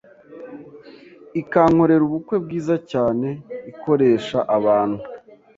ikankorera ubukwe bwiza cyane, ikoresh abantu